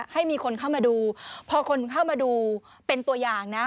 ให้มีคนเข้ามาดูพอคนเข้ามาดูเป็นตัวอย่างนะ